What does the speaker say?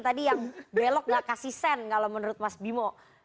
tadi yang belok nggak kasih sen kalau menurut mas bimo